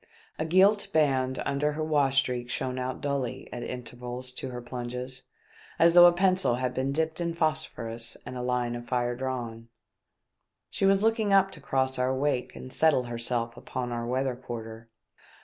A gilt band under her wash streak shone out dully at intervals to her plunges, as though a pencil had been dipped in phosphorus and a line of fire drawn. She was looking up to cross our wake and settle herself upon our weather quarter.